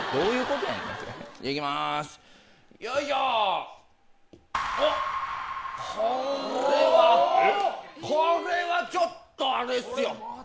これはちょっとあれっすよ。